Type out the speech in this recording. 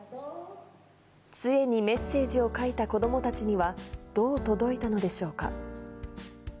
つえにメッセージを書いた子どもたちには、どう届いたのでしょうか。